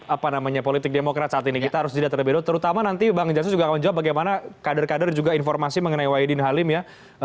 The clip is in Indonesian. apa namanya politik demokrat saat ini kita harus jeda terlebih dahulu terutama nanti bang jasa juga akan menjawab bagaimana kader kader juga informasi mengenai wahidin halim ya